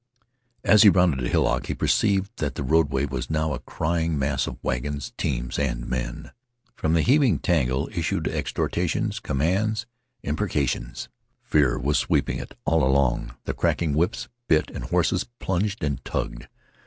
As he rounded a hillock, he perceived that the roadway was now a crying mass of wagons, teams, and men. From the heaving tangle issued exhortations, commands, imprecations. Fear was sweeping it all along. The cracking whips bit and horses plunged and tugged.